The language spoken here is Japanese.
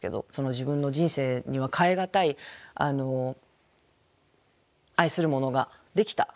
自分の人生には代え難い愛するものができた。